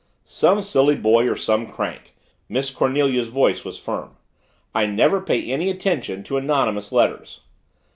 "Some silly boy or some crank." Miss Cornelia's voice was firm. "I never pay any attention to anonymous letters."